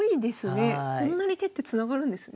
こんなに手ってつながるんですね。